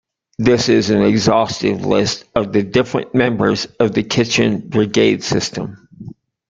This is an exhaustive list of the different members of the kitchen brigade system.